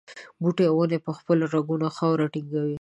بوټي او ونې په خپلو رګونو خاوره ټینګوي.